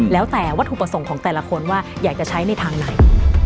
แล้วแต่วัตถุประสงค์ของแต่ละคนว่าอยากจะใช้ในทางไหน